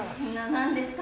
何ですか？